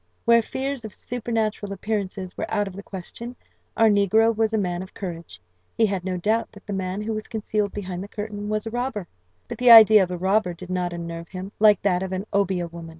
Where fears of supernatural appearances were out of the question, our negro was a man of courage; he had no doubt that the man who was concealed behind the curtain was a robber, but the idea of a robber did not unnerve him like that of an Obeah woman.